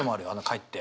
帰って。